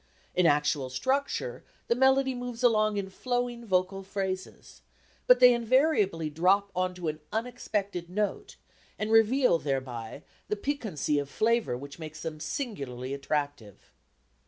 In actual structure the melody moves along in flowing vocal phrases, but they invariably drop on to an unexpected note and reveal thereby that piquancy of flavour which makes them singularly attractive.